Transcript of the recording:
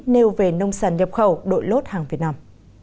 nêu về nông sản nhập khẩu đội lốt hàng việt nam